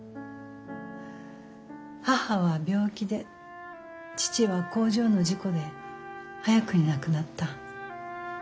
母は病気で父は工場の事故で早くに亡くなった。